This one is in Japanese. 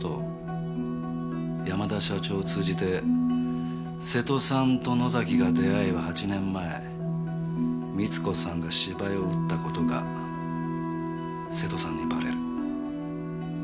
山田社長を通じて瀬戸さんと野崎が出会えば８年前美津子さんが芝居を打った事が瀬戸さんにバレる。